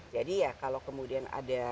jadi ya kalau kemudian ada